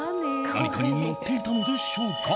何かに乗っていたのでしょうか？